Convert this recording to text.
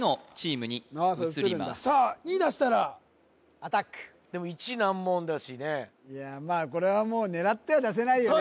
あそう移るんださあ２出したらアタックでも１難問だしねいやまあこれはもう狙っては出せないよね